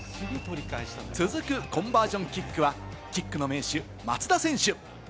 続くコンバージョンキックは、キックの名手・松田選手。